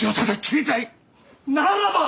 ならば！